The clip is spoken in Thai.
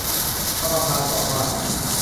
สมภารสอนว่า